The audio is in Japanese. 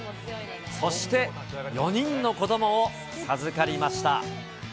そして４人の子どもを授かりました。